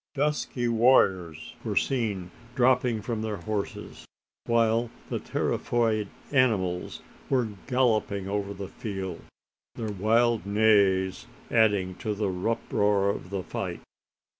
Dusky warriors were seen dropping from their horses; while the terrified animals went galloping over the field their wild neighs adding to the uproar of the fight.